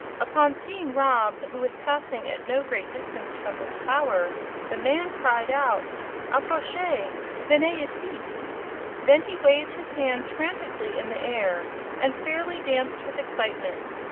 Upon seeing Rob, who was passing at no great distance from this tower, the man cried out: "APPROCHEZ! VENEZ ICI!" Then he waved his hands frantically in the air, and fairly danced with excitement.